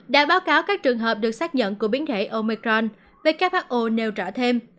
đã báo cáo các trường hợp được xác nhận của biến thể omicron who nêu rõ thêm